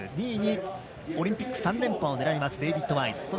２位にオリンピック３連覇を狙うデイビッド・ワイズ。